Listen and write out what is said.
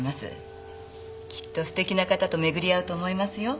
きっと素敵な方と巡り会うと思いますよ。